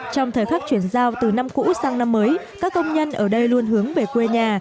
trong thời khắc chuyển giao từ năm cũ sang năm mới các công nhân ở đây luôn hướng về quê nhà